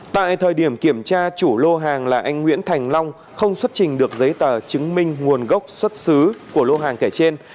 tại thời điểm kiểm tra chủ lô hàng là anh nguyễn thành long không xuất trình được giấy tờ chứng minh nguồn gốc xuất xứ của lô hàng kể trên